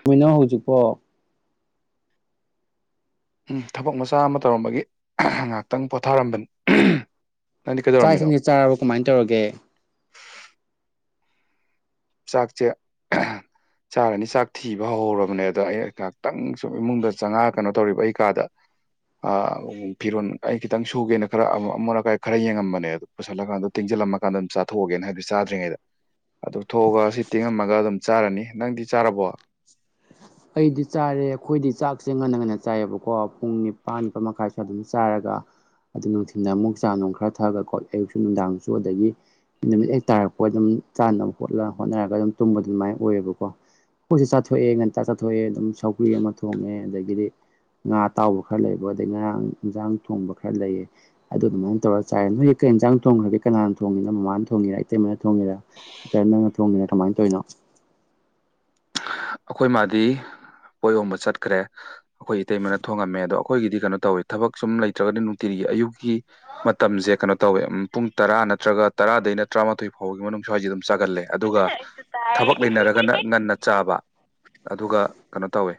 [unintelligible] ꯍꯧꯖꯤꯛꯄꯣ ꯎꯝ ꯊꯕꯛ ꯃꯆꯥ ꯑꯃ ꯇꯧꯔꯝꯕꯒꯤ ꯉꯥꯏꯍꯥꯛꯇꯪ ꯄꯣꯊꯥꯔꯝꯕꯅꯤ ꯅꯪꯗꯤ ꯆꯥꯛ ꯀꯩꯗꯧꯔꯝꯃꯤꯅꯣ ꯏꯁꯤꯡꯗꯤ ꯆꯥꯔꯕꯣ ꯀꯃꯥꯏꯅ ꯇꯧꯔꯒꯦ ꯆꯥꯛꯆꯦ ꯆꯥꯔꯅꯤ ꯆꯥꯛ ꯊꯤꯕ ꯍꯧꯍꯧꯔꯕꯅꯦ ꯑꯗ ꯑꯩ ꯉꯥꯏꯍꯥꯛꯇꯪ ꯁꯨꯝ ꯏꯃꯨꯡꯗ ꯆꯪꯉꯛꯑ ꯀꯩꯅꯣ ꯇꯧꯔꯤꯕ ꯑꯩ ꯀꯥꯗ ꯑꯥ ꯐꯤꯔꯣꯟ ꯑꯩ ꯈꯤꯇꯪ ꯁꯨꯒꯦꯅ ꯈꯔ ꯑꯃ ꯑꯃꯣꯠ ꯑꯀꯥꯏ ꯈꯔ ꯌꯦꯡꯉꯝꯕꯅꯦ ꯑꯗꯣ ꯄꯨꯁꯜꯂꯀꯥꯟꯗ ꯇꯤꯡꯖꯤꯜꯂꯝꯃꯀꯥꯟꯗ ꯆꯥꯊꯣꯛꯑꯒꯦꯅ ꯍꯥꯏꯗꯤ ꯆꯥꯗ꯭ꯔꯤꯉꯩꯗ [inaudible] ꯇꯧꯊꯣꯛꯑꯒ ꯁꯤ ꯇꯤꯡꯉꯝꯃꯒ ꯑꯗꯨꯝ ꯆꯥꯔꯅꯤ ꯅꯪꯗꯤ ꯆꯥꯔꯕꯣ ꯑꯩꯗꯤ ꯆꯥꯔꯦ ꯑꯩꯈꯣꯏꯗꯤ ꯆꯥꯛꯁꯦ ꯉꯟꯅ ꯉꯟꯅ ꯆꯥꯏꯑꯦꯕꯀꯣ ꯄꯨꯡ ꯅꯤꯄꯥꯥꯟ ꯅꯤꯄꯥꯟ ꯃꯈꯥꯏ ꯁ꯭ꯋꯥꯏꯗ ꯑꯗꯨꯝ ꯆꯥꯔꯒ ꯑꯗꯨ ꯅꯨꯡꯊꯤꯜꯅꯃꯨꯛ ꯆꯥ ꯅꯨꯡ ꯈꯔ ꯊꯛꯑꯒ ꯀꯣ ꯑꯌꯨꯛꯁꯨ ꯅꯨꯡꯗꯥꯡꯁꯨ ꯑꯗꯒꯤ ꯅꯨꯃꯤꯠ ꯍꯦꯛ ꯇꯥꯔꯛꯄꯒ ꯑꯗꯨꯝ ꯆꯥꯅꯕ ꯄꯣꯠ ꯂꯥꯡ ꯍꯣꯠꯅꯔꯒ ꯑꯗꯨꯝ ꯇꯨꯝꯕ ꯑꯗꯨꯃꯥꯏ ꯑꯣꯏꯌꯦꯕꯀꯣ ꯑꯩꯈꯣꯏꯖꯨ ꯆꯥꯊꯣꯛꯑꯦ ꯉꯟꯇ ꯆꯠꯊꯣꯛꯑꯦ ꯑꯗꯨꯝ ꯁꯧꯒ꯭ꯔꯤ ꯑꯃ ꯊꯣꯡꯉꯦ ꯑꯗꯒꯤꯗꯤ ꯉꯥ ꯑꯇꯥꯎꯕ ꯈꯔ ꯂꯩꯕ ꯑꯗꯩ ꯉꯔꯥꯡ ꯏꯟꯖꯥꯡ ꯊꯣꯡꯕ ꯈꯔ ꯂꯩꯌꯦ ꯑꯗꯨ ꯑꯗꯨꯃꯥꯏꯅ ꯇꯧꯔ ꯆꯥꯏꯌꯦ ꯅꯣꯏ ꯀꯩ ꯏꯟꯖꯥꯡ ꯊꯣꯡꯒ꯭ꯔꯒꯦ ꯀꯅꯥꯟ ꯊꯣꯡꯉꯤꯅꯣ ꯃꯃꯥꯅ ꯊꯣꯡꯉꯤꯔꯥ ꯏꯇꯩꯃꯅ ꯊꯣꯡꯉꯤꯔ ꯅꯠꯇ꯭ꯔ ꯅꯪꯅ ꯊꯣꯡꯉꯤꯔ ꯀꯃꯥꯏꯅ ꯇꯧꯔꯤꯅꯣ ꯑꯈꯣꯏ ꯃꯥꯗꯤ ꯄꯣꯠ ꯌꯣꯟꯕ ꯆꯠꯈ꯭ꯔꯦ ꯑꯩꯈꯣꯏ ꯏꯇꯩꯃꯅ ꯊꯣꯡꯉꯝꯃꯦ ꯑꯗꯣ ꯑꯩꯈꯣꯏꯒꯤꯗꯤ ꯀꯩꯅꯣ ꯇꯧꯋꯦ ꯊꯕꯛ ꯁꯨꯝ ꯂꯩꯇ꯭ꯔꯒꯗꯤ ꯅꯨꯡꯇꯤꯒꯤ ꯑꯌꯨꯛꯀꯤ ꯃꯇꯝꯖꯦ ꯀꯩꯅꯣ ꯇꯧꯋꯦ ꯑꯝ ꯄꯨꯡ ꯇꯔꯥ ꯅꯠꯇ꯭ꯔꯒ ꯇꯔꯥꯗꯩꯅ ꯇ꯭ꯔꯥꯃꯥꯊꯣꯏ ꯐꯥꯎꯕꯒꯤ ꯃꯅꯨꯡ ꯁ꯭ꯋꯥꯏꯁꯦ ꯑꯗꯨꯝ ꯆꯥꯒꯜꯂꯦ ꯑꯗꯨꯒ ꯑꯩꯁꯨ ꯆꯥꯏ ꯊꯕꯛ ꯂꯩꯅꯔꯒꯅ ꯉꯟꯅ ꯆꯥꯕ ꯑꯗꯨꯒ ꯀꯩꯅꯣ ꯇꯧꯋꯦ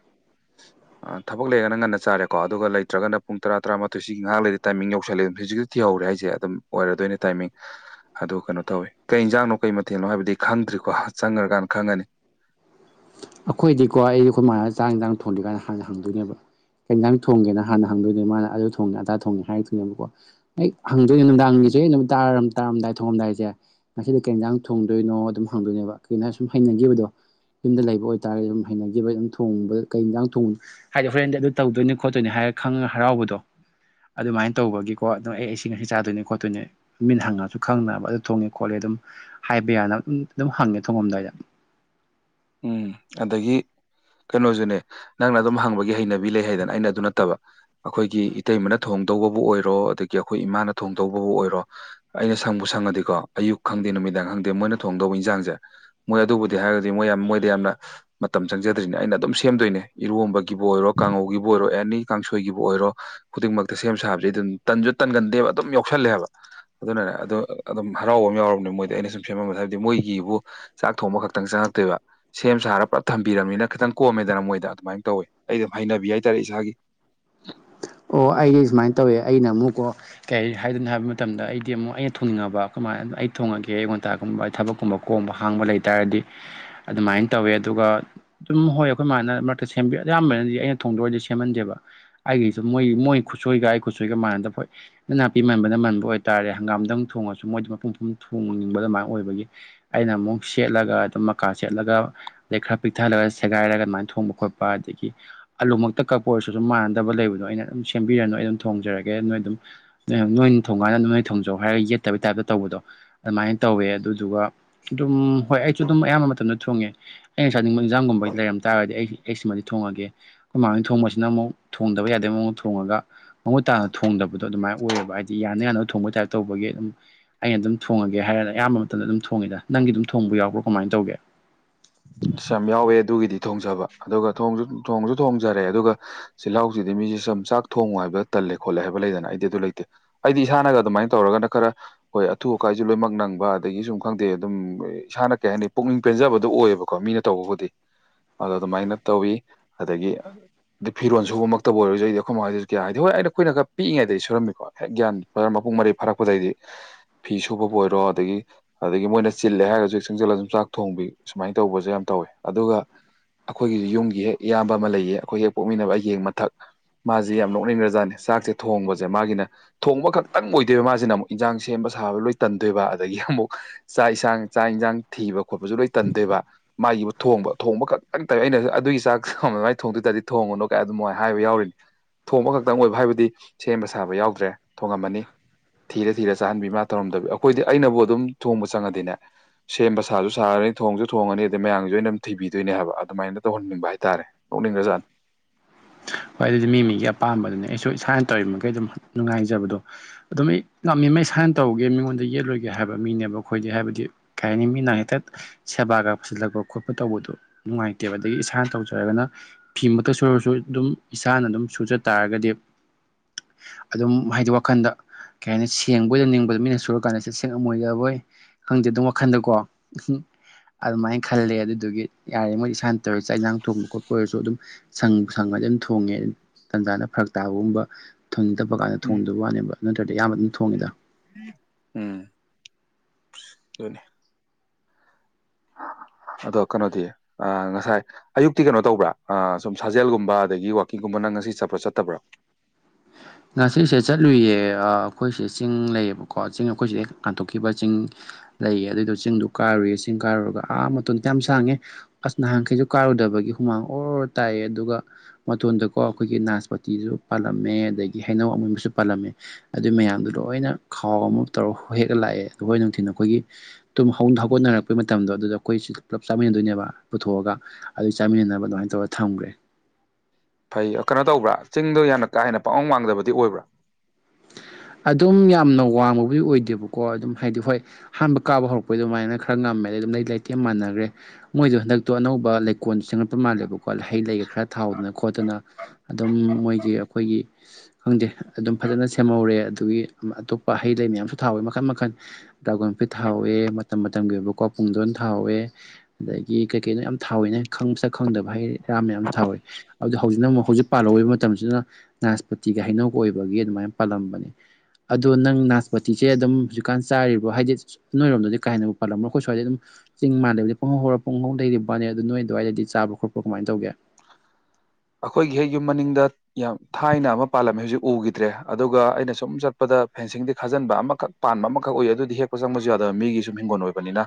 [inaudible] ꯑꯥ ꯊꯕꯛ ꯂꯩꯔꯒꯅ ꯉꯟꯅ ꯆꯥꯔꯦꯀꯣ ꯑꯗꯨꯒ ꯂꯩꯇ꯭ꯔꯒꯅ ꯄꯨꯡ ꯇꯔꯥ ꯇꯔꯥꯃꯥꯊꯣꯏ ꯁꯤꯒꯤ ꯉꯥꯏꯍꯥꯛ ꯂꯩꯗꯤ ꯇꯥꯏꯃꯤꯡ ꯌꯧꯁꯜꯂꯦ ꯍꯧꯖꯤꯛꯇ ꯊꯤꯍꯧꯔꯦ ꯍꯥꯏ ꯖꯦ ꯑꯗꯨꯝ ꯑꯣꯏꯔꯗꯣꯏꯅꯦ ꯇꯥꯏꯃꯤꯡ ꯑꯗꯣ ꯀꯩꯅꯣ ꯇꯧꯋꯤ ꯀꯩ ꯏꯟꯖꯥꯡꯅꯣ ꯀꯩ ꯃꯊꯦꯜꯅꯣ ꯍꯥꯏꯕꯗꯤ ꯈꯪꯗ꯭ꯔꯤꯀꯣ ꯆꯪꯒ꯭ꯔꯀꯥꯟ ꯈꯪꯉꯅꯤ ꯑꯩꯈꯣꯏꯗꯤꯀꯣ ꯑꯩ ꯑꯩꯈꯣꯏ ꯃꯥ ꯆꯥꯛ ꯏꯟꯖꯥꯡ ꯊꯣꯟꯗ꯭ꯔꯤꯀꯥꯟ ꯍꯥꯟꯅ ꯍꯪꯗꯣꯏꯅꯦꯕ ꯀꯩ ꯏꯟꯖꯥꯡ ꯊꯣꯡꯒꯦꯅ ꯍꯥꯟꯅ ꯍꯪꯗꯣꯏꯅꯦ ꯃꯥꯅ ꯑꯗꯨ ꯊꯣꯡꯉꯦ ꯑꯗꯥ ꯊꯣꯡꯉꯦ ꯍꯥꯏꯔꯛꯇꯣꯏꯅꯦꯕꯀꯣ ꯑꯩ ꯍꯪꯗꯣꯏꯅꯦ ꯅꯨꯡꯗꯥꯡꯒꯤꯁꯦ ꯅꯨꯃꯤꯠ ꯇꯥꯔꯝ ꯇꯥꯔꯝꯗꯥꯏ ꯊꯣꯡꯉꯝꯗꯥꯏꯖꯦ ꯉꯁꯤꯗꯤ ꯀꯩ ꯌꯦꯟꯖꯥꯡ ꯊꯣꯡꯗꯣꯏꯅꯣ ꯑꯗꯨꯝ ꯍꯪꯗꯣꯏꯅꯦꯕ ꯀꯒꯤꯅꯣ ꯍꯥꯏ ꯁꯨꯝ ꯍꯩꯅꯒꯤꯕꯗꯣ ꯌꯨꯝꯗ ꯂꯩꯕ ꯑꯣꯏꯇꯥꯔꯦ ꯑꯗꯨꯝ ꯍꯩꯅꯈꯤꯕ ꯑꯗꯨꯝ ꯊꯣꯡꯕ ꯀꯩ ꯖꯡ ꯊꯣꯡ ꯍꯥꯏꯗꯤ ꯍꯣꯔꯦꯟꯗꯤ ꯑꯗꯨ ꯇꯧꯗꯣꯏꯅꯤ ꯈꯣꯠꯇꯣꯏꯅꯤ ꯍꯥꯏꯔ ꯈꯪꯉꯒ ꯍꯔꯥꯎꯕꯗꯣ ꯑꯗꯨꯃꯥꯏꯅ ꯇꯧꯕꯒꯤꯀꯣ ꯑꯗꯣ ꯑꯩ ꯁꯤ ꯉꯁꯤ ꯆꯥꯗꯣꯏꯅꯤ ꯈꯣꯠꯇꯣꯏꯅꯤ ꯃꯤꯟ ꯍꯪꯉꯁꯨ ꯈꯪꯅꯕ ꯑꯗꯨ ꯊꯣꯡꯉꯦ ꯈꯣꯠꯂꯦ ꯑꯗꯨꯝ ꯍꯥꯏꯕ ꯌꯥꯅ ꯎꯝ ꯑꯗꯨꯝ ꯍꯪꯉꯦ ꯊꯣꯡꯉꯝꯗꯥꯏꯗ ꯎꯝ ꯑꯗꯒꯤ ꯀꯩꯅꯣꯁꯨꯅꯦ ꯅꯪꯅ ꯑꯗꯨꯝ ꯍꯪꯕꯒꯤ ꯍꯩꯅꯕꯤ ꯂꯩ ꯍꯥꯏꯗꯅ ꯑꯩꯅ ꯑꯗꯨ ꯅꯠꯇꯕ ꯑꯩꯈꯣꯏꯒꯤ ꯏꯇꯩꯃꯅ ꯊꯣꯡꯗꯧꯕꯕꯨ ꯑꯣꯏꯔꯣ ꯑꯗꯒꯤ ꯑꯩꯈꯣꯏ ꯏꯃꯥꯅ ꯊꯣꯡꯗꯧꯕꯕꯨ ꯑꯣꯏꯔꯣ ꯑꯩꯅ ꯁꯪꯕꯨ ꯁꯪꯉꯗꯤꯀꯣ ꯑꯌꯨꯛ ꯈꯪꯗꯦ ꯅꯨꯃꯤꯗꯥꯡ ꯈꯪꯗꯦ ꯃꯣꯏꯅ ꯊꯣꯡꯗꯧꯕ ꯏꯟꯖꯥꯡꯁꯦ ꯃꯣꯏ ꯑꯗꯨꯕꯨꯗꯤ ꯍꯥꯏꯔꯒꯗꯤ ꯃꯣꯏ ꯌꯥꯝ ꯃꯣꯏꯗ ꯌꯥꯝꯅ ꯃꯇꯝ ꯆꯪꯖꯗ꯭ꯔꯤꯅꯦ ꯑꯩꯅ ꯑꯗꯨꯝ ꯁꯦꯝꯗꯣꯏꯅꯦ ꯏꯔꯣꯝꯕꯒꯤꯕꯨ ꯑꯣꯏꯔꯣ ꯀꯥꯡꯉꯧꯒꯤꯕꯨ ꯑꯣꯏꯔꯣ ꯑꯦꯅꯤ ꯀꯥꯡꯁꯣꯏꯒꯤꯕꯨ ꯑꯣꯏꯔꯣ ꯈꯨꯗꯤꯡꯃꯛꯇ ꯁꯦꯝ ꯁꯥꯕꯕꯁꯦ ꯑꯗꯨꯝ ꯇꯟꯁꯨ ꯇꯟꯒꯟꯗꯦꯕ ꯑꯗꯨꯝ ꯌꯥꯎꯁꯜꯂꯦꯕ ꯑꯗꯨꯅꯅꯦ ꯑꯗꯨ ꯑꯗꯨꯝ ꯍꯔꯥꯎꯕ ꯑꯃ ꯌꯥꯎꯔꯕꯅꯤ ꯃꯣꯏꯗꯤ ꯑꯩꯅ ꯁꯨꯝ ꯁꯦꯝꯃꯝꯕꯩ ꯍꯥꯏꯕꯗꯤ ꯃꯣꯏꯒꯤꯕꯨ ꯆꯥꯛ ꯊꯣꯡꯕ ꯈꯛꯇꯪ ꯆꯪꯉꯛꯇꯣꯏꯕ ꯁꯦꯝ ꯁꯥꯔ ꯄꯨꯔꯥ ꯊꯝꯕꯤꯔꯕꯅꯤꯅ ꯈꯤꯇꯪ ꯀꯣꯝꯃꯦꯗꯅ ꯃꯣꯏꯗ ꯑꯗꯨꯃꯥꯏꯅ ꯇꯧꯋꯦ ꯑꯩ ꯑꯗꯨꯝ ꯍꯩꯅꯕꯤ ꯍꯥꯏꯇꯥꯔꯦ ꯏꯁꯥꯒꯤ ꯑꯣ ꯑꯩꯗꯤ ꯁꯨꯃꯥꯏꯅ ꯇꯧꯋꯦ ꯑꯩꯅ ꯑꯃꯨꯛꯀꯣ ꯀꯩ ꯍꯥꯏꯗꯅꯣ ꯍꯥꯏꯕ ꯃꯇꯝꯗ ꯑꯩꯗꯤ ꯑꯃꯨꯛ ꯑꯩꯅ ꯊꯣꯡꯅꯤꯡꯉꯕ ꯀꯃꯥꯏ ꯑꯩ ꯊꯣꯡꯉꯒꯦ ꯑꯩꯉꯣꯟꯇꯥꯒꯨꯝꯕ ꯑꯩ ꯊꯕꯛꯀꯨꯝꯕ ꯀꯣꯝꯕ ꯍꯥꯡꯕ ꯂꯩꯇꯥꯔꯗꯤ ꯑꯗꯨꯃꯥꯏꯅ ꯇꯧꯋꯦ ꯑꯗꯨꯒ ꯑꯗꯨꯝ ꯍꯣꯏ ꯑꯩꯈꯣꯏ ꯃꯥꯅ ꯃꯔꯛꯇ ꯁꯦꯝꯕ ꯑꯌꯥꯝꯕꯅꯗꯤ ꯑꯩꯅ ꯊꯣꯡꯗꯣꯔꯏꯗꯤ ꯁꯦꯝꯍꯟꯗꯦꯕ ꯑꯩꯒꯤ ꯑꯗꯣ ꯃꯣꯏ ꯃꯣꯏ ꯈꯨꯠꯁꯣꯏꯒ ꯑꯩ ꯈꯨꯠꯁꯣꯏꯒ ꯃꯥꯟꯗ ꯍꯣꯏ ꯅꯥꯄꯤ ꯃꯟꯕꯅ ꯃꯟꯕ ꯑꯣꯏꯕꯇꯥꯔꯦ ꯍꯪꯒꯥꯝꯗꯪ ꯊꯣꯡꯉꯁꯨ ꯃꯣꯏꯗꯤ ꯃꯄꯨꯝ ꯄꯨꯝ ꯊꯣꯡꯅꯤꯡꯕ ꯑꯗꯨꯃꯥꯏ ꯑꯣꯏꯕꯒꯤ ꯑꯩꯅ ꯑꯃꯨꯛ ꯁꯦꯠꯂꯒ ꯑꯗꯨꯝ ꯃꯀꯥ ꯁꯦꯠꯂꯒ ꯑꯗꯩ ꯈꯔ ꯄꯤꯛꯊꯜꯂꯒ ꯁꯦꯒꯥꯏꯔꯒ ꯑꯗꯨꯃꯥꯏꯅ ꯊꯣꯡꯕ ꯈꯣꯠꯄ ꯑꯗꯒꯤ ꯑꯥꯂꯨꯃꯛꯇ ꯀꯛꯄ ꯑꯣꯏꯔꯁꯨ ꯑꯗꯨꯝ ꯃꯥꯟꯅꯗꯕ ꯂꯩꯕꯗꯣ ꯑꯩꯅ ꯑꯗꯨꯝ ꯁꯦꯝꯕꯤꯔꯅꯨ ꯑꯩ ꯑꯗꯨꯝ ꯊꯣꯡꯖꯔꯒꯦ ꯅꯣꯏ ꯑꯗꯨꯝ ꯅꯣꯏꯅ ꯊꯣꯡꯀꯥꯟꯗ ꯅꯣꯏ ꯊꯣꯡꯖꯧ ꯍꯥꯏꯔꯒ ꯌꯦꯠꯇꯕ ꯇꯥꯏꯞꯇ ꯇꯧꯕꯗꯣ ꯑꯗꯨꯃꯥꯏꯅ ꯇꯧꯋꯦ ꯑꯗꯨꯗꯨꯒ ꯑꯗꯨꯝ ꯍꯣꯏ ꯑꯩꯁꯨ ꯑꯗꯨꯝ ꯑꯌꯥꯝꯕ ꯃꯇꯝꯗ ꯊꯨꯡꯉꯦ ꯑꯩꯅ ꯆꯥꯅꯤꯡꯕ ꯑꯦꯛꯖꯥꯝꯒꯨꯝꯕꯩ ꯂꯩꯔꯝ ꯇꯥꯔꯒꯗꯤ ꯑꯩ ꯑꯩꯁꯤꯃꯗꯤ ꯊꯣꯡꯉꯒꯦ ꯈꯣꯏ ꯃꯥ ꯍꯣꯏꯅ ꯊꯣꯡꯕꯁꯤꯅ ꯑꯃꯨꯛ ꯊꯣꯡꯗꯕ ꯌꯥ ꯃꯑꯣꯗ ꯊꯣꯡꯉꯒ ꯃꯃꯨꯠ ꯇꯥꯅ ꯊꯣꯡꯗꯕꯗꯣ ꯑꯗꯨꯃꯥꯏꯅ ꯑꯣꯏꯌꯦꯕ ꯍꯥꯏꯗꯤ ꯌꯥꯅ ꯌꯥꯅꯕ ꯊꯣꯡꯕ ꯇꯥꯏꯞꯇ ꯇꯧꯕꯒꯤ ꯑꯗꯨꯝ ꯑꯩꯅ ꯑꯗꯨꯝ ꯊꯣꯡꯉꯒꯦ ꯍꯥꯏꯔꯅ ꯑꯌꯥꯝꯕ ꯃꯇꯝꯗ ꯑꯗꯨꯝ ꯊꯣꯡꯉꯤꯗ ꯅꯪꯒꯤ ꯑꯗꯨꯝ ꯊꯣꯡꯕ ꯌꯥꯎꯕ꯭ꯔꯣ ꯀꯃꯥꯏ ꯇꯧꯒꯦ ꯑꯁ ꯌꯥꯝ ꯌꯥꯎꯋꯦ ꯑꯗꯨꯒꯤꯗꯤ ꯊꯣꯡꯖꯕ ꯑꯗꯨꯒ ꯊꯣꯡꯁꯨ ꯊꯣꯡꯖꯔꯦ ꯑꯗꯨꯒ ꯆꯤꯜꯍꯥꯎꯁꯤꯗꯤ ꯃꯤꯁꯦ ꯁꯨꯝ ꯆꯥꯛ ꯊꯣꯡꯉꯨ ꯍꯥꯏꯕ ꯇꯜꯂꯦ ꯈꯣꯠꯂꯦ ꯍꯥꯏꯕ ꯂꯩꯗꯅ ꯑꯩꯗꯤ ꯑꯗꯨ ꯂꯩꯇꯦ ꯑꯩꯗꯤ ꯏꯁꯥꯅꯒ ꯑꯗꯨꯃꯥꯏ ꯇꯧꯔꯒꯅ ꯈꯔ ꯍꯣꯏ ꯑꯊꯨ ꯑꯀꯥꯏꯁꯨ ꯂꯣꯏꯅꯃꯛ ꯅꯪꯕ ꯑꯗꯒꯤ ꯁꯨꯝ ꯈꯪꯗꯦ ꯑꯗꯨꯝ ꯏꯁꯥꯅ ꯀꯩ ꯍꯥꯏꯅꯤ ꯄꯨꯛꯅꯤꯡ ꯄꯦꯟꯖꯕꯗꯣ ꯑꯣꯏꯌꯦꯕ ꯀꯣ ꯃꯤꯅ ꯇꯧꯕꯕꯨꯗꯤ ꯑꯗꯣ ꯑꯗꯨꯃꯥꯏꯅ ꯇꯧꯋꯤ ꯑꯗꯒꯤ ꯑꯗ ꯐꯤꯔꯣꯟ ꯁꯨꯕꯃꯛꯇ ꯑꯣꯏꯔꯖꯩꯗꯤ ꯑꯩꯈꯣꯏ ꯃꯈ ꯍꯥꯏꯗꯁꯨ ꯀꯌꯥ ꯍꯥꯏꯗꯤ ꯍꯣꯏꯩꯅꯈꯣꯏꯅ ꯈ ꯄꯛꯏꯉꯩꯗꯒꯤ ꯁꯨꯔꯃꯤꯀꯣ ꯍꯦꯛ ꯒꯌꯥꯟ ꯇꯔ ꯃꯄꯨꯡ ꯃꯔꯩ ꯐꯥꯔꯛꯄꯗꯩꯗꯤ ꯐꯤ ꯁꯨꯕꯕꯨ ꯑꯣꯏꯔꯣ ꯑꯗꯒꯤ ꯑꯗꯒꯤ ꯃꯣꯏꯅ ꯆꯤꯜꯂꯦ ꯍꯥꯏꯔꯒꯁꯨ ꯍꯦꯛ ꯆꯪꯁꯤꯜꯂ ꯑꯗꯨꯨꯝ ꯆꯥꯛ ꯊꯣꯡꯕꯤ ꯁꯨꯃꯥꯏꯅ ꯇꯧꯕꯖꯦ ꯌꯥꯝ ꯇꯧꯋꯦ ꯑꯗꯨꯒ ꯑꯩꯈꯣꯏꯒꯤꯁꯨ ꯌꯨꯝꯒꯤ ꯍꯦꯛ ꯏꯌꯥꯝꯕ ꯑꯃ ꯂꯩꯌꯦ ꯑꯩꯈꯣꯏ ꯍꯦꯛ ꯄꯣꯛꯃꯤꯟꯅꯕ ꯑꯩꯒꯤ ꯍꯦꯛ ꯃꯊꯛ ꯃꯥꯖꯤ ꯌꯥꯝ ꯅꯣꯛꯅꯤꯡꯈ꯭ꯔꯖꯥꯠꯅꯤ ꯆꯥꯛꯁꯦ ꯊꯣꯡꯕꯁꯦ ꯃꯥꯒꯤꯅ ꯊꯣꯡꯕ ꯈꯛꯇꯪ ꯑꯣꯏꯗꯣꯏꯕ ꯃꯥꯁꯤꯅ ꯑꯃꯨꯛ ꯏꯟꯖꯥꯡ ꯁꯦꯝꯕ ꯁꯥꯕ ꯂꯣꯏ ꯇꯟꯗꯣꯏꯕ ꯑꯗꯒꯤ ꯑꯃꯨꯛ ꯆꯥꯛ ꯌꯦꯟꯁꯥꯡ ꯆꯥꯛ ꯌꯦꯟꯁꯥꯡ ꯊꯤꯕ ꯈꯣꯠꯄꯁꯨ ꯂꯣꯏ ꯇꯟꯗꯣꯏꯕ ꯃꯥꯒꯤꯕꯨ ꯊꯣꯡꯕ ꯊꯣꯡꯕ ꯈꯛꯇꯪ ꯇꯥꯏꯋ ꯑꯩꯅꯁꯨ ꯑꯗꯨꯒꯤ ꯆꯥꯛꯁ ꯃꯥꯏꯅ ꯊꯣꯡꯗꯣꯏ ꯇꯔꯗꯤ ꯊꯣꯡꯉꯅꯨ ꯑꯗꯨꯃ ꯍꯥꯏꯕ ꯌꯥꯎꯔꯤꯅꯤ ꯊꯣꯡꯕ ꯈꯛꯇꯪ ꯑꯣꯏꯕ ꯍꯥꯏꯕꯗꯤ ꯁꯦꯝꯕ ꯁꯥꯕ ꯌꯥꯎꯗ꯭ꯔꯦ ꯊꯣꯉꯝꯃꯅꯤ ꯊꯤꯔ ꯊꯤꯔ ꯆꯥꯍꯟꯕꯤ ꯃꯥ ꯇꯧꯔꯝꯗꯕꯤ ꯑꯩꯈꯣꯏꯗꯤ ꯑꯩꯅꯕꯨ ꯑꯗꯨꯝ ꯊꯣꯡꯕ ꯆꯪꯉꯗꯤꯅꯦ ꯁꯦꯝꯕ ꯁꯥꯁꯨ ꯁꯥꯔꯅꯤ ꯊꯣꯡꯁꯨ ꯊꯣꯡꯉꯅꯤ ꯑꯗꯩ ꯃꯌꯥꯝꯒꯤꯁꯨ ꯑꯩꯅ ꯑꯗꯨꯝ ꯊꯤꯕꯤꯗꯣꯏꯅꯦ ꯍꯥꯏꯕ ꯑꯗꯨꯃꯥꯏꯅ ꯇꯧꯍꯟꯅꯤꯡꯕ ꯍꯥꯏꯇꯥꯔꯦ ꯅꯣꯛꯅꯤꯡꯒ꯭ꯔꯖꯥꯠꯅꯤ ꯍꯣꯏ ꯑꯗꯨꯗꯤ ꯃꯤ ꯃꯤꯒꯤ ꯑꯄꯥꯝꯕꯗꯨꯅꯦ ꯑꯩꯁꯨ ꯏꯁꯥꯅ ꯇꯧꯔꯤꯃꯈꯩ ꯑꯗꯨꯝ ꯅꯨꯡꯉꯥꯏꯖꯕꯗꯣ ꯑꯗꯨꯝ ꯑꯩ ꯉꯝꯃꯤꯃꯩ ꯏꯁꯥꯅ ꯇꯧꯒꯦ ꯃꯤꯉꯣꯟꯗ ꯌꯦꯠꯂꯣꯏꯒꯦ ꯍꯥꯏꯕ ꯃꯤꯅꯦꯕ ꯑꯩꯈꯣꯏꯗꯤ ꯍꯥꯏꯕꯗꯤ ꯈꯥꯏꯅꯤꯃꯤ ꯅꯥꯏ ꯇꯠ ꯁꯦꯕꯥꯒ ꯐꯖꯤꯜꯂꯛꯄ ꯈꯣꯠꯄ ꯇꯧꯕꯗꯨ ꯅꯨꯡꯉꯥꯏꯇꯦꯕ ꯑꯗꯒꯤ ꯏꯁꯥꯅ ꯇꯧꯖꯔꯒꯅ ꯐꯤꯃꯛꯇ ꯁꯣꯏꯨꯔꯁꯨ ꯑꯗꯨꯝ ꯏꯁꯥꯅ ꯑꯗꯨꯝ ꯁꯨꯖ ꯇꯥꯔꯒꯗꯤ ꯑꯗꯨꯝ ꯍꯥꯏꯗꯤ ꯋꯥꯈꯜꯗ ꯀꯩ ꯍꯥꯏꯅꯤ ꯁꯦꯡꯕꯣꯏꯗ ꯅꯤꯡꯕꯗ ꯃꯤꯅ ꯁꯨꯔꯀꯥꯟꯗ ꯁꯦꯡꯉꯝ ꯃꯣꯏꯗꯕꯣꯏ ꯈꯪꯗꯦ ꯑꯗꯨꯝ ꯋꯥꯈꯜꯗꯀꯣ ꯑꯗꯨꯃꯥꯏꯅ ꯈꯜꯂꯦ ꯑꯗꯨꯗꯨꯒꯤ ꯌꯥꯔꯤꯃꯩ ꯏꯁꯥꯅ ꯇꯧꯔꯤꯒ ꯆꯥꯛ ꯏꯟꯖꯥꯡ ꯊꯣꯡꯕ ꯈꯣꯠꯄ ꯑꯣꯏꯔꯁꯨ ꯑꯗꯨꯝ ꯁꯪꯕꯨ ꯁꯪꯉꯗꯤ ꯑꯗꯨꯝ ꯊꯣꯡꯉꯦ ꯇꯟꯖꯥꯅ ꯐꯔꯛ ꯇꯥꯕꯒꯨꯝꯕ ꯊꯣꯡꯅꯤꯡꯇꯕ ꯀꯥꯟꯗ ꯎꯝ ꯊꯣꯡꯗꯕ ꯋꯥꯅꯦꯕ ꯅꯠꯇ꯭ꯔꯗꯤ ꯑꯌꯥꯝꯕ ꯑꯗꯨꯝ ꯊꯣꯡꯉꯦꯗ ꯎꯝ ꯑꯗꯨꯅꯤ ꯑꯗꯣ ꯀꯅꯣꯗꯤ ꯑꯥ ꯉꯁꯥꯏ ꯑꯌꯨꯛꯇꯤ ꯀꯩꯅꯣ ꯇꯧꯕ꯭ꯔꯥ ꯑꯥ ꯁꯨꯝ ꯁꯥꯖꯦꯜꯒꯨꯝꯕ ꯑꯗꯒꯤ ꯋꯥꯛꯀꯤꯡꯒꯨꯝꯕ ꯅꯪ ꯉꯁꯤ ꯆꯠꯄ꯭ꯔꯥ ꯆꯠꯇꯕ꯭ꯔꯥ ꯉꯁꯤꯁꯦ ꯆꯠꯂꯨꯏꯌꯦ ꯑꯥ ꯑꯩꯈꯣꯏꯁꯦ ꯆꯤꯡ ꯂꯩꯌꯦꯕꯀꯣ ꯆꯤꯡ ꯑꯩꯈꯣꯏ ꯁꯤꯗ ꯀꯥꯟꯊꯣꯛꯈꯤꯕ ꯆꯤꯡ ꯂꯩꯌꯦ ꯑꯗꯨꯏꯗꯣ ꯆꯤꯡꯗꯨ ꯀꯥꯔꯨꯏꯌꯦ ꯆꯤꯡ ꯀꯥꯔꯨꯔꯒ ꯑꯥ ꯃꯇꯣꯟ ꯌꯥꯝ ꯁꯥꯡꯉꯦ ꯑꯁ ꯅꯍꯥꯟꯈꯩꯁꯨ ꯀꯥꯔꯨꯗꯕꯒꯤ ꯍꯨꯃꯥꯡ ꯑꯣꯔ ꯇꯥꯏꯌꯦ ꯑꯗꯨꯒ ꯃꯇꯣꯟꯗꯀꯣ ꯑꯩꯈꯣꯏꯒꯤ ꯅꯥꯁꯄꯇꯤꯁꯨ ꯄꯥꯜꯂꯝꯃꯦ ꯑꯗꯒꯤ ꯍꯩꯅꯧ ꯑꯃꯨꯟꯕꯁꯨ ꯄꯥꯜꯂꯝꯃꯦ ꯑꯗꯨ ꯃꯌꯥꯝꯗꯨ ꯂꯣꯏꯅ ꯈꯥꯎ ꯑꯃ ꯇꯧꯔ ꯍꯦꯛꯑ ꯂꯥꯛꯑꯦ ꯑꯈꯣꯏ ꯅꯨꯡꯊꯤꯟ ꯑꯩꯈꯣꯏꯒꯤ ꯇꯨꯝ ꯍꯧ ꯍꯧꯒꯠꯅꯔꯛꯄꯩ ꯃꯇꯝꯗꯣ ꯑꯗꯨꯗ ꯑꯩꯈꯣꯏ ꯁꯤ ꯄꯨꯂꯞ ꯆꯥꯃꯤꯟꯅꯗꯣꯏꯅꯦꯕ ꯄꯨꯊꯣꯛꯑꯒ ꯑꯗꯨ ꯆꯥꯃꯤꯟꯅꯅꯕ ꯑꯗꯨꯃꯥꯏꯅ ꯇꯧꯔꯒ ꯊꯝꯈ꯭ꯔꯦ ꯐꯩ ꯑꯥ ꯀꯩꯅꯣ ꯇꯧꯕ꯭ꯔꯥ ꯆꯤꯡꯗꯣ ꯌꯥꯝꯅ ꯀꯥ ꯍꯦꯟꯅ ꯄꯥꯛꯉꯝ ꯋꯥꯡꯗꯕꯗꯤ ꯑꯣꯏꯕ꯭ꯔꯥ ꯑꯗꯨꯝ ꯌꯥꯝꯅ ꯋꯥꯡꯕꯕꯨꯗꯤ ꯑꯣꯏꯗꯦꯕꯀꯣ ꯑꯗꯨꯝ ꯍꯥꯏꯗꯤ ꯍꯣꯏ ꯑꯍꯥꯟꯕ ꯀꯥꯕ ꯍꯧꯔꯛꯄꯩ ꯑꯗꯨꯃꯥꯏꯅ ꯈꯔ ꯉꯝꯃꯦ ꯑꯗꯩꯩ ꯑꯗꯨꯝ ꯂꯩ ꯂꯩꯇꯦꯝ ꯃꯥꯟꯅꯈꯒ꯭ꯔꯦ ꯃꯣꯏꯗꯣ ꯍꯟꯗꯛꯇꯣ ꯑꯅꯧꯕ ꯂꯩꯀꯣꯜ ꯁꯦꯝꯒꯠꯄ ꯃꯥꯜꯂꯦꯕꯀꯣ ꯍꯩ ꯂꯩꯒ ꯈꯔ ꯊꯥꯍꯧꯗꯅ ꯈꯣꯠꯇꯅ ꯑꯗꯨꯝ ꯃꯣꯏꯒꯤ ꯑꯩꯈꯣꯏꯒꯤ ꯈꯪꯗꯦ ꯑꯗꯨꯝ ꯐꯖꯅ ꯁꯦꯝꯍꯧꯔꯦ ꯑꯗꯨꯒꯤ ꯑꯃꯥ ꯑꯇꯣꯞꯄ ꯍꯩ ꯂꯩ ꯃꯌꯥꯝꯁꯨ ꯊꯥꯍꯧꯋꯦ ꯃꯈꯟ ꯃꯈꯟ ꯗꯥꯔꯒꯣꯟ ꯐ꯭ꯔꯨꯠ ꯊꯥꯍꯧꯋꯦ ꯃꯇꯝ ꯃꯇꯝꯒꯤ ꯑꯣꯏꯕꯀꯣ ꯄꯨꯡꯗꯣꯟ ꯊꯥꯍꯧꯋꯦ ꯑꯗꯒꯤ ꯀꯩ ꯀꯩꯅꯣ ꯌꯥꯝ ꯊꯥꯍꯧꯋꯤꯅꯦ ꯈꯪ ꯃꯁꯛ ꯈꯪꯗꯕ ꯍꯩꯔꯥ ꯃꯌꯥꯝꯁꯨ ꯊꯥꯍꯧꯋꯦ ꯑꯗꯨ ꯍꯧꯖꯤꯛꯅ ꯑꯃꯨꯛ ꯍꯧꯖꯤꯛ ꯄꯥꯜꯂꯧꯋꯤꯕ ꯃꯇꯝꯁꯤꯅ ꯅꯥꯁꯄꯇꯤꯒ ꯍꯩꯅꯧꯒ ꯑꯣꯏꯕꯒꯤ ꯑꯗꯨꯃꯥꯏꯅ ꯄꯥꯜꯂꯝꯕꯅꯦ ꯑꯗꯣ ꯅꯪ ꯅꯥꯁꯄꯇꯤꯁꯦ ꯑꯗꯨꯝ ꯍꯧꯖꯤꯛꯀꯥꯟ ꯆꯥꯔꯤꯕ꯭ꯔꯣ ꯍꯥꯏꯗꯤ ꯅꯣꯏꯔꯣꯝꯗꯗꯤ ꯀꯥ ꯍꯦꯟꯅꯕꯨ ꯄꯜꯂꯝꯃꯔꯣꯏ ꯑꯈꯣꯏ ꯁꯨꯋꯥꯏꯗꯗꯤ ꯑꯗꯨꯝ ꯆꯤꯡ ꯃꯥꯥꯜꯂꯩꯕꯗꯤ ꯄꯨꯡꯍꯧ ꯍꯧꯔ ꯄꯨꯡꯍꯧ ꯂꯩꯔꯤꯕꯅꯤ ꯋꯥꯅꯦ ꯑꯗꯣ ꯅꯣꯏ ꯑꯗꯨꯋꯥꯏꯗꯤ ꯆꯥꯕ ꯈꯣꯠꯄ ꯀꯃꯥꯏꯅ ꯇꯧꯒꯦ ꯑꯩꯈꯣꯏꯒꯤ ꯍꯦꯛ ꯌꯨꯝ ꯃꯅꯤꯡꯗ ꯌꯥꯝ ꯊꯥꯏꯅ ꯑꯃ ꯄꯥꯜꯂꯝꯃꯦ ꯍꯧꯖꯤꯛ ꯎꯈꯤꯗ꯭ꯔꯦ ꯑꯗꯨꯒ ꯑꯩꯅ ꯁꯨꯝ ꯆꯠꯄꯗ ꯐꯦꯟꯁꯤꯡꯗꯤ ꯈꯥꯖꯤꯟꯕ ꯑꯃꯈꯛ ꯄꯥꯟꯕ ꯑꯃꯈꯛ ꯎꯏ ꯑꯗꯨꯗꯤ ꯍꯦꯛꯄ ꯆꯪꯕꯁꯨ ꯌꯥꯗꯕ ꯃꯤꯒꯤ ꯁꯨꯝ ꯍꯤꯡꯒꯣꯜ ꯑꯣꯏꯕꯅꯤꯅ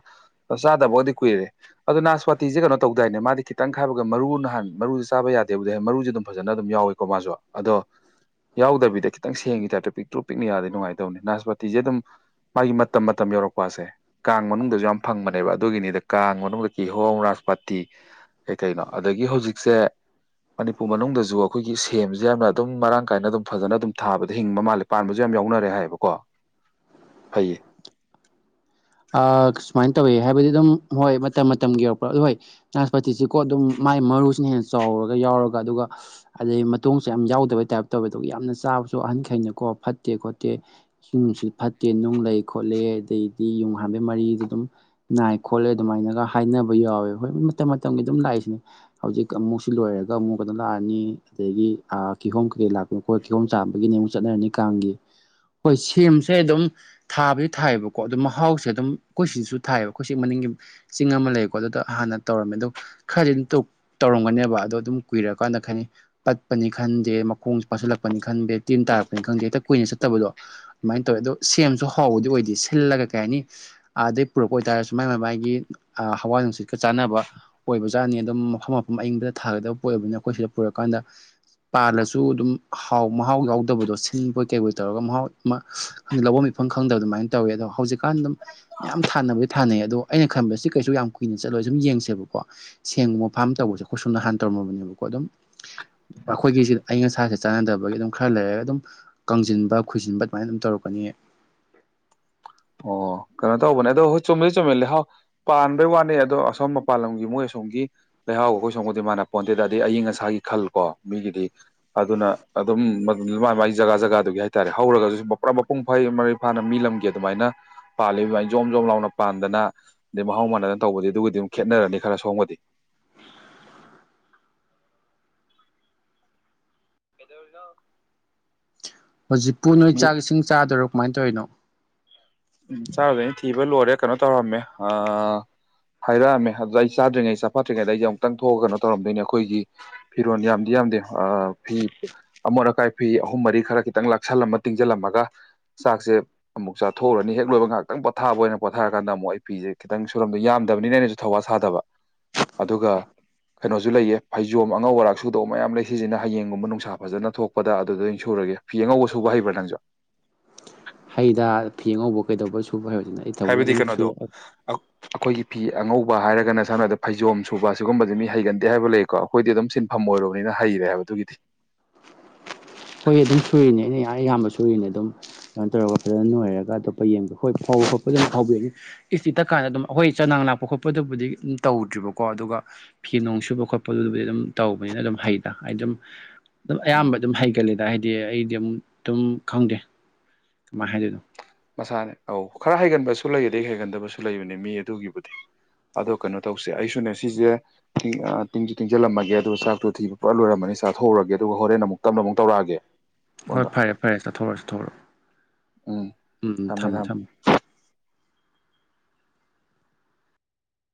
ꯆꯥꯗꯕꯒꯗꯤ ꯀꯨꯏꯔꯦ ꯑꯗꯣ ꯅꯥꯁꯄꯇꯤꯁꯦ ꯀꯩꯅꯣ ꯇꯧꯗꯥꯏꯅꯦ ꯃꯥꯗꯤ ꯈꯤꯇꯪ ꯈꯥꯏꯕꯒ ꯃꯔꯨꯅꯍꯥꯟ ꯃꯔꯨꯗ ꯆꯥꯕ ꯌꯥꯗꯦ ꯕꯨꯗꯤ ꯍꯥꯏ ꯃꯔꯨꯁꯦ ꯑꯗꯨꯝ ꯐꯖꯅ ꯑꯗꯨꯝ ꯌꯥꯎꯏꯀꯣ ꯃꯥꯁꯨ ꯑꯗꯣ ꯌꯥꯎꯗꯕꯤꯗ ꯈꯤꯇꯪ ꯁꯦꯝꯒꯤ ꯇꯥꯏꯞꯇ ꯄꯤꯛꯇ꯭ꯔꯨ ꯄꯤꯛꯅ ꯌꯥꯎꯔꯗꯤ ꯅꯨꯡꯉꯥꯏꯗꯧꯕꯅꯤ ꯅꯥꯁꯄꯥꯇꯤꯁꯦ ꯑꯗꯨꯝ ꯃꯥꯒꯤ ꯃꯇꯝ ꯃꯇꯝ ꯌꯧꯔꯛꯄꯁꯦ ꯀꯥꯡ ꯃꯅꯨꯡꯗꯁꯨ ꯌꯥꯝ ꯐꯪꯕꯅꯦꯕ ꯑꯗꯨꯒꯤꯅꯤꯗ ꯀꯥꯡ ꯃꯅꯨꯡꯗ ꯀꯤꯍꯣꯝ ꯅꯥꯁꯄꯇꯤ ꯀꯩꯀꯩꯅꯣ ꯑꯗꯒꯤ ꯍꯧꯖꯤꯛꯁꯦ ꯃꯅꯤꯄꯨꯔ ꯃꯅꯨꯡꯗꯁꯨ ꯑꯩꯈꯣꯏꯒꯤ ꯁꯦꯝꯁꯨ ꯌꯥꯝꯅ ꯑꯗꯨꯝ ꯃꯔꯥꯡ ꯀꯥꯏꯅ ꯑꯗꯨꯝ ꯐꯖꯅ ꯑꯗꯨꯝ ꯊꯥꯕꯗ ꯍꯤꯡꯕ ꯃꯥꯜꯂꯦ ꯄꯥꯟꯕꯁꯨ ꯌꯥꯝ ꯌꯥꯎꯅꯔꯦ ꯍꯥꯏꯌꯦꯕꯀꯣ [inaudible] ꯐꯩꯌꯦ ꯁꯨꯃꯥꯏꯅ ꯇꯧꯋꯦ ꯍꯥꯏꯕꯗꯤ ꯑꯗꯨꯝ ꯍꯣꯏ ꯃꯇꯝ ꯃꯇꯝꯒꯤ ꯌꯧꯔꯛꯄ꯭ꯔꯥ ꯑꯗꯨ ꯍꯣꯏ ꯅꯥꯁꯄꯥꯇꯤꯁꯤꯀꯣ ꯑꯗꯨꯝ ꯃꯥꯏ ꯃꯔꯨꯁꯤꯅ ꯍꯦꯟꯅ ꯆꯥꯎꯔꯒ ꯌꯥꯎꯔꯒ ꯑꯗꯨꯒ ꯑꯗꯩ ꯃꯇꯣꯡꯁꯨ ꯌꯥꯝ ꯌꯥꯎꯗꯕꯩ ꯇꯥꯏꯞꯇꯧꯋꯦ ꯑꯗꯨꯒ ꯌꯥꯝꯅ ꯆꯥꯕꯁꯨ ꯑꯍꯟꯈꯩꯅꯀꯣ ꯐꯠꯇꯦ ꯈꯣꯠꯇꯦ ꯏꯁꯤꯡ ꯅꯨꯡꯁꯤꯠꯁꯨ ꯐꯠꯇꯦ ꯅꯨꯡ ꯂꯩ ꯈꯣꯠꯂꯦ ꯑꯗꯩꯗꯤ ꯌꯨꯡ ꯍꯥꯟꯕꯩ ꯃꯔꯤꯗ ꯑꯗꯨꯝ ꯅꯥꯏ ꯈꯣꯠꯂꯦ ꯑꯗꯨꯃꯥꯏꯅꯒ ꯍꯥꯏꯅꯕ ꯌꯥꯎꯋꯦꯕ ꯍꯣꯏ ꯃꯇꯝ ꯃꯇꯝꯒꯤ ꯑꯗꯨꯝ ꯂꯥꯛꯏꯁꯤꯅꯦ ꯍꯧꯖꯤꯛ ꯑꯃꯨꯛꯁꯤ ꯂꯣꯏꯔꯒ ꯑꯃꯨꯛ ꯀꯩꯅ ꯂꯥꯛꯑꯅꯤ ꯑꯗꯒꯤ ꯀꯤꯍꯣꯝ ꯀꯩꯀꯩ ꯂꯥꯛ ꯀꯣꯏ ꯀꯤꯍꯣꯝ ꯆꯥꯕꯒꯤꯅꯦ ꯑꯃꯨꯛ ꯆꯠꯅꯔꯅꯤ ꯀꯥꯡꯒꯤ ꯍꯣꯏ ꯁꯦꯝꯁꯦ ꯑꯗꯨꯝ ꯊꯥꯕꯗꯤ ꯊꯥꯏꯌꯦꯕꯛ ꯀꯣ ꯑꯗꯨ ꯃꯍꯥꯎꯁꯦ ꯑꯗꯨꯝ ꯑꯈꯣꯏ ꯁꯤꯁꯨ ꯊꯥꯏꯕ ꯑꯈꯣꯏ ꯁꯤ ꯃꯅꯤꯡꯒꯤ ꯆꯤꯡ ꯑꯃ ꯂꯩꯀꯣ ꯑꯗꯨꯗ ꯍꯥꯟꯅ ꯇꯧꯔꯝꯃꯦ ꯑꯗꯣ ꯈꯔꯗꯤ ꯑꯗꯨꯝ ꯇꯨꯛ ꯇꯧꯔꯝꯒꯅꯦꯕ ꯑꯗꯣ ꯑꯗꯨꯝ ꯀꯨꯏꯔꯛꯀꯥꯟꯗ ꯈꯅꯩ ꯄꯠꯄꯅꯤ ꯈꯟꯗꯦ ꯃꯈꯣꯡꯁꯨ ꯄꯥꯁꯤꯜꯂꯛꯄꯅꯤ ꯈꯟꯗꯦ ꯇꯤꯟ ꯇꯥꯔꯛꯄꯅꯤ ꯈꯪꯗꯦ ꯍꯦꯛꯇ ꯀꯨꯏꯅ ꯆꯠꯇꯕꯗꯣ ꯑꯗꯨꯃꯥꯏꯟ ꯇꯧꯋꯦ ꯑꯗꯣ ꯁꯦꯝꯁꯨ ꯍꯥꯎꯕꯗꯤ ꯑꯣꯏꯗꯦ ꯁꯤꯜꯂꯒ ꯀꯩ ꯍꯥꯏꯅꯤ ꯑꯗꯩ ꯄꯨꯔꯛꯄ ꯑꯣꯏꯇꯥꯔꯁꯨ ꯃꯥꯏ ꯃꯕꯥꯏꯒꯤ ꯑ ꯍꯋꯥ ꯅꯨꯡꯁꯤꯠꯀ ꯆꯥꯅꯕ ꯑꯣꯏꯕꯖꯥꯠꯅꯤ ꯑꯗꯨꯝ ꯃꯐꯝ ꯃꯐꯝ ꯑꯌꯤꯡꯕꯗ ꯊꯥꯒꯗꯞ ꯄꯣꯏꯕꯅ ꯑꯈꯣꯏ ꯁꯤꯗ ꯄꯨꯔꯀꯥꯟꯗ ꯄꯥꯜꯂꯁꯨ ꯑꯗꯨꯝ ꯍꯥꯎ ꯃꯍꯥꯎ ꯌꯥꯎꯗꯕꯗꯣ ꯁꯤꯜꯕꯣꯏ ꯀꯩꯕꯣꯏ ꯇꯧꯔꯒ ꯃꯍꯥꯎ ꯑꯝ ꯍꯪꯗꯦ ꯂꯧꯕꯝ ꯃꯤꯐꯝ ꯈꯪꯗꯕ ꯑꯗꯨꯃꯥꯏꯟ ꯇꯧꯋꯦ ꯑꯗꯣ ꯍꯧꯖꯤꯛꯀꯥꯟ ꯗꯨꯝ ꯌꯥꯝ ꯊꯥꯅꯕꯗꯤ ꯊꯥꯅꯩ ꯑꯗꯣ ꯑꯩꯅ ꯈꯟꯕꯗ ꯁꯤ ꯀꯩꯁꯨ ꯌꯥꯝ ꯀꯨꯏꯅ ꯆꯠꯂꯣꯏ ꯁꯨꯝ ꯌꯦꯡꯁꯦꯕꯀꯣ ꯁꯦꯡꯒꯨꯝꯕ ꯐꯥꯔꯝ ꯇꯧꯕꯁꯦ ꯑꯩꯈꯣꯏ ꯁꯣꯝꯗ ꯍꯥꯟ ꯇꯧꯔꯝꯃꯕꯅꯦꯕꯀꯣ ꯑꯗꯨꯝ ꯑꯈꯣꯏꯒꯤꯁꯤꯗ ꯑꯏꯪ ꯑꯁꯥꯒꯁ ꯆꯥꯟꯅꯗꯕꯒꯤ ꯑꯗꯨꯝ ꯈꯔ ꯂꯩꯔꯒ ꯑꯗꯨꯝ ꯀꯪꯖꯤꯟꯕ ꯈꯨꯏꯖꯤꯟꯕ ꯑꯗꯨꯃꯥꯏꯅ ꯑꯗꯨꯝ ꯇꯧꯔꯛꯀꯅꯤꯌꯦ ꯑꯣ ꯀꯅꯣ ꯇꯧꯕꯅꯦ ꯑꯗꯣ ꯍꯨ ꯆꯨꯝꯕꯨꯗꯤ ꯆꯨꯝꯃꯦ ꯂꯩꯍꯥꯎ ꯄꯥꯟꯕꯩ ꯋꯥꯅꯩ ꯑꯗꯣ ꯑꯁꯣꯝ ꯃꯄꯥꯟ ꯂꯝꯒꯤ ꯃꯣꯏ ꯑꯁꯣꯝꯒꯤ ꯂꯩꯍꯥꯎꯒ ꯈꯣꯏ ꯁꯣꯝꯒꯗꯤ ꯃꯥꯥꯟꯅ ꯄꯣꯟꯇꯦꯗ ꯑꯗꯩꯡ ꯑꯌꯤꯡ ꯑꯁꯥꯒꯤ ꯈꯜ ꯀꯣ ꯃꯤꯒꯤꯗꯤ ꯑꯗꯨꯅ ꯑꯗꯨꯝ ꯃꯛ ꯃꯤ ꯃꯥ ꯃꯥꯏ ꯖꯒꯥ ꯖꯒꯥꯗꯨꯒꯤ ꯍꯥꯏꯇꯥꯔꯦ ꯍꯧꯔꯒꯖꯨ ꯃꯄ꯭ꯔꯝ ꯃꯄꯨꯡ ꯐꯥꯏ ꯃꯔꯩ ꯐꯥꯅ ꯃꯤ ꯂꯝꯒꯦ ꯑꯗꯨꯃꯥꯏꯅ ꯄꯥꯜꯂꯤ ꯑꯗꯨꯃꯥꯏꯅ ꯖꯣꯝ ꯖꯣꯝ ꯂꯥꯎꯅ ꯄꯥꯟꯗꯅ ꯑꯗꯩ ꯃꯍꯥꯎ ꯃꯥꯟꯅꯅ ꯇꯧꯕꯗꯤ ꯑꯗꯨꯒꯗꯤ ꯑꯃꯨꯛ ꯈꯦꯠꯅꯔꯅꯤ ꯈꯔ ꯁꯣꯝꯒꯗꯤ ꯀꯩꯗꯧꯔꯤꯅꯣ ꯍꯧꯖꯤꯛꯄꯨ ꯅꯣꯏ ꯃꯤ ꯆꯥꯛ ꯏꯁꯤꯡ ꯆꯥꯗꯣꯏꯔꯣ ꯀꯃꯥꯏꯟ ꯇꯧꯔꯤꯅꯣ ꯎꯝ ꯆꯥꯔꯗꯣꯏꯅꯤ ꯊꯤꯕ ꯂꯣꯏꯔꯦ ꯀꯟꯅꯣ ꯇꯧꯔꯝꯃꯦ ꯑ ꯍꯥꯏꯔꯛꯑꯝꯃꯦ ꯑꯗꯨꯗ ꯑꯩ ꯆꯥꯗ꯭ꯔꯤꯉꯩ ꯆꯥꯐꯠꯇ꯭ꯔꯤꯉꯩꯗ ꯑꯩꯖꯦ ꯑꯃꯨꯛꯇꯪ ꯊꯣꯛꯑꯒ ꯀꯟꯅꯣ ꯇꯧꯔꯝꯗꯣꯏꯅꯤ ꯑꯈꯣꯏꯒꯤ ꯐꯤꯔꯣꯟ ꯌꯥꯝꯗꯤ ꯌꯥꯝꯗꯦ ꯑ ꯐꯤ ꯑꯃꯣꯠ ꯑꯀꯥꯏ ꯐꯤ ꯑꯍꯨꯝ ꯃꯔꯤ ꯈꯔ ꯈꯤꯇꯪ ꯂꯥꯛꯁꯜꯂꯝꯃ ꯇꯤꯡꯁꯤꯜꯂꯝꯃꯒ ꯆꯥꯛꯁꯦ ꯑꯃꯨꯛ ꯆ ꯊꯣꯛꯎꯔꯅꯤ ꯍꯦꯛ ꯂꯣꯏꯕ ꯉꯍꯥꯛꯇꯪ ꯄꯣꯊꯥꯕ ꯑꯣꯏꯅ ꯄꯣꯊꯥꯔꯀꯥꯟꯗ ꯑꯃꯨꯛ ꯑꯩ ꯐꯤꯖꯦ ꯈꯤꯇꯪ ꯁꯨꯔꯝꯗꯣ ꯌꯥꯝꯗꯕꯅꯤꯅꯅꯦ ꯁꯨ ꯊꯋꯥ ꯁꯥꯗꯕ ꯑꯗꯨꯒ ꯀꯩꯅꯣꯁꯨ ꯂꯩꯌꯦ ꯐꯩꯖꯣꯝ ꯑꯉꯧ ꯑꯔꯥꯛ ꯁꯨꯗꯧ ꯃꯌꯥꯝ ꯂꯩ ꯁꯤꯁꯤꯅ ꯍꯌꯦꯡꯒꯨꯝꯕ ꯅꯨꯡꯁꯥ ꯐꯖꯅ ꯊꯣꯛꯄꯗ ꯑꯗꯨꯗ ꯑꯣꯏꯟ ꯁꯨꯔꯒꯦ꯫ ꯐꯤ ꯑꯉꯧꯕ ꯁꯨꯕ ꯍꯕ꯭ꯔꯥ ꯅꯪꯖꯣ? ꯍꯩꯗ ꯐꯤ ꯑꯉꯧꯕꯨ ꯀꯩꯗꯧꯕꯩ ꯁꯨꯕ ꯍꯩꯔꯣꯏꯗꯤꯅꯣ ꯑꯩ ꯊꯑꯣꯏꯅ ꯍꯥꯏꯕꯗꯤ ꯑꯗꯨꯝ ꯁꯨꯏ ꯀꯩꯅꯣꯗꯣ ꯑꯛ ꯑꯈꯣꯏꯒꯤ ꯐꯤ ꯑꯉꯧꯕ ꯍꯥꯏꯔꯒꯅ ꯁꯝꯅ ꯍꯥꯏꯕꯗ ꯐꯩꯖꯣꯝ ꯁꯨꯕ ꯁꯤꯒꯨꯝꯕꯖꯤ ꯃꯤ ꯍꯩꯒꯟꯗꯦ ꯍꯥꯏꯕ ꯂꯩꯀꯣ꯫ ꯈꯣꯏꯗꯤ ꯑꯗꯨꯝ ꯁꯤꯟꯐꯝ ꯑꯣꯏꯔꯨꯕꯅꯤꯅ ꯍꯩꯔꯦ ꯍꯥꯏꯕ ꯑꯗꯨꯒꯤꯗꯤ꯫ ꯍꯣꯏ ꯑꯗꯨꯝ ꯁꯨꯔꯤꯅꯦ ꯑꯩꯅ ꯑꯌꯥꯝꯕ ꯁꯨꯔꯤꯅꯦ ꯑꯗꯨꯝ꯫ ꯀꯟ ꯇꯧꯔꯒ ꯐꯖꯟ ꯅꯣꯏꯔꯒ ꯑꯇꯣꯞꯄ ꯌꯦꯡꯕ ꯍꯣꯏ ꯐꯧ ꯈꯣꯠꯄ ꯑꯗꯨꯝ ꯐꯧꯕꯤꯔꯅꯤ꯫ ꯏꯁꯇꯤ ꯇꯛꯀꯥꯟꯗ ꯑꯗꯨꯝ ꯑꯈꯣꯏ ꯆꯅꯥꯡ ꯂꯥꯛꯄ ꯈꯣꯠꯄꯗꯨꯕꯨꯗꯤ ꯑꯨꯝ ꯇꯧꯗ꯭ꯔꯤꯕꯀꯣ ꯑꯗꯨꯒ ꯐꯤ ꯅꯣꯡ ꯁꯨꯕ ꯈꯣꯠꯄꯗꯨꯕꯨꯗꯤ ꯑꯗꯨꯝ ꯇꯧꯕꯅꯤꯅ ꯑꯗꯨꯝ ꯍꯩꯗ ꯍꯥꯏ ꯗꯨꯝ ꯑꯗꯨꯝ ꯎꯝ ꯑꯌꯥꯝꯕ ꯑꯗꯨꯝ ꯍꯩꯒꯜꯂꯦꯗ ꯍꯥꯏꯗꯤ ꯑꯩꯗꯤ ꯑꯃꯝ ꯇꯨꯝ ꯈꯪꯗꯦ ꯀꯃꯥꯏꯟ ꯍꯥꯏꯗꯣꯏꯅꯣ꯫ ꯃꯁꯥꯅꯦ ꯑꯧ ꯈꯔ ꯍꯩꯒꯟꯕꯁꯨ ꯂꯩ ꯑꯗꯩ ꯍꯩꯒꯟꯗꯕꯁꯨ ꯂꯩꯕꯅꯦ ꯃꯤ ꯑꯗꯨꯒꯤꯕꯨꯗꯤ꯫ ꯑꯗꯣ ꯀꯩꯅꯣ ꯇꯧꯁꯦ ꯑꯩꯁꯨꯅꯦ ꯁꯤꯁꯦ ꯇꯤꯡ ꯑ ꯇꯤꯡꯁꯨꯨ ꯇꯤꯡꯁꯤꯜꯂꯝꯃꯒꯦ ꯑꯗꯨꯒ ꯆꯥꯛꯇꯣ ꯊꯤꯕ ꯄꯨꯔꯥ ꯂꯣꯏꯔꯝꯅꯤ ꯆꯥꯛꯊꯣꯎꯔꯒꯦ ꯑꯗꯨꯒ ꯍꯣꯔꯦꯟ ꯑꯃꯨꯛ ꯇꯞꯅ ꯑꯃꯨꯛ ꯇꯧꯔꯛꯑꯒꯦ꯫ ꯍꯣꯏ ꯐꯣꯟꯗꯣ ꯐꯔꯦ ꯐꯔꯦ ꯆꯥꯊꯣꯔꯣ ꯆꯥꯊꯣꯔꯣ ꯎꯝ ꯎꯝ ꯊꯝꯃꯦ ꯊꯝꯃꯦ ꯊꯝꯃꯣ ꯊꯝꯃꯣ꯫